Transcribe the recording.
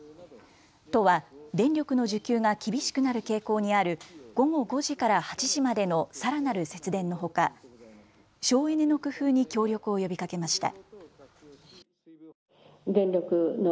都は電力の需給が厳しくなる傾向にある午後５時から８時までのさらなる節電のほか省エネの工夫に協力を呼びかけました。